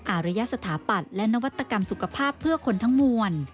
อารยสถาปัตย์และนวัตกรรมสุขภาพเพื่อคนทั้งมวล